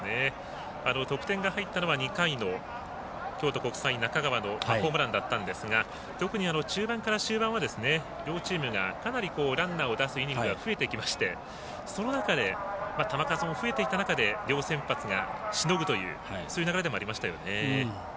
得点が入ったのは２回の京都国際、中川のホームランだったんですが特に中盤から終盤は、両チームがかなりランナーを出すイニングが増えてきましてその中で、球数も増えていた中で両先発がしのぐという流れがありましたよね。